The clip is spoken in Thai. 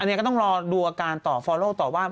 อันนี้ก็ต้องรอดูอาการต่อฟอลโลกต่อว่า